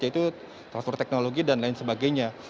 yaitu transfer teknologi dan lain sebagainya